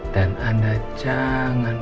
dan anda jangan